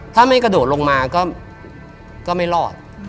ถ้าไม่กระโดดลงมาก็ไม่รอด